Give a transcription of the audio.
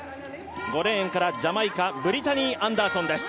５レーンからジャマイカブリタニー・アンダーソンです。